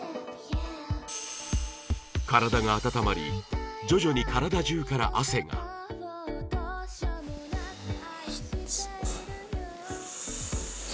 体が温まり徐々に体中から汗がハハハ！